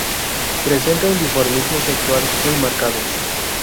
Presenta un dimorfismo sexual muy marcado.